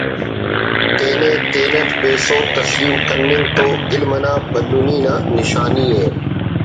تینے تینٹ بے سہب تسلیم کننگ تو علم انا بھلنی نا نشانی ءِ